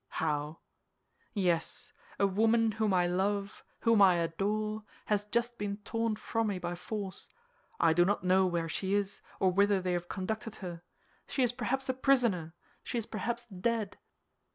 "How?" "Yes; a woman whom I love, whom I adore, has just been torn from me by force. I do not know where she is or whither they have conducted her. She is perhaps a prisoner; she is perhaps dead!"